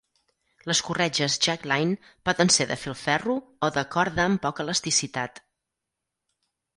Les corretges jackline poden ser de filferro o de corda amb poca elasticitat.